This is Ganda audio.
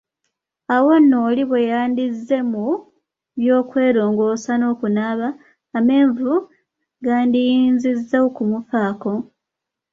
Awo nno oli bwe yandizze mu by’okwerongoosa n’okunaaba amenvu gandiyinzizza okumufaako.